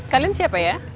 kalian siapa ya